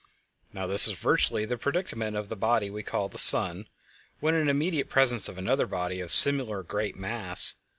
Now this is virtually the predicament of the body we call a sun when in the immediate presence of another body of similarly great mass.